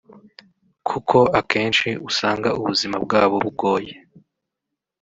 kuko akenshi usanga ubuzima bwabo bugoye